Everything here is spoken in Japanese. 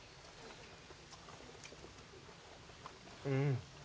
うん。